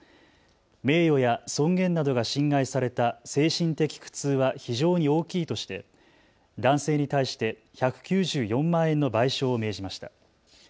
名誉や尊厳などが侵害された精神的苦痛は非常に大きいとして男性に対して１９４万円の賠償を命じました。